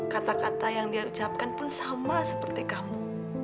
kata kata yang dia ucapkan pun sama seperti kamu